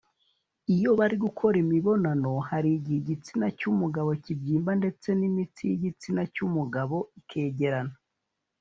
Iyo bari gukora imibonano hari igihe igitsina cy’umugabo kibyimba ndetse n’imitsi y’igitsina cy’umugabo ikegerana